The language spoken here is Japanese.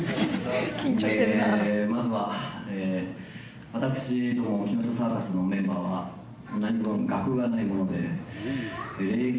ええまずは私ども木下サーカスのメンバーは何分学がないもので。